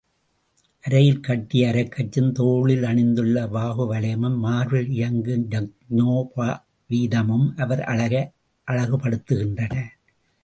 அரையில் கட்டிய அரைக்கச்சும் தோளில் அணிந்துள்ள வாகுவலயமும், மார்பில் இயங்கும் யக்ஞோபவீதமும் அவர் அழகை அதிகப்படுத்துகின்றன.